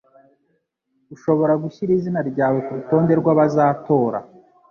Ushobora gushyira izina ryawe kurutonde rw’abazatora.